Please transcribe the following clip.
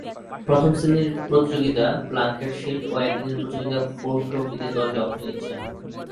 প্রথম-শ্রেণীর প্রতিযোগিতা Plunkett shield ও একদিনের প্রতিযোগিতা ফোর্ড ট্রফিতে দলটি অংশ নিচ্ছে।